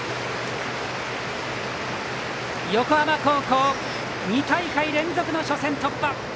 横浜高校、２大会連続の初戦突破。